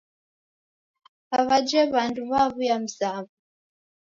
Aw'ajhe w'andu waw'uya mzaw'o.